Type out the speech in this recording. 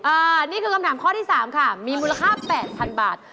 อันนี้คือคำถามข้อที่๓ค่ะมีมูลค่า๘๐๐๐บาท